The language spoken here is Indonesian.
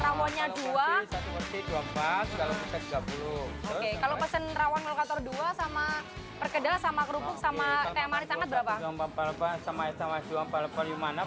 rawannya dua dua pas kalau pesan rawan lokator dua sama perkedel sama kerupuk sama tema sangat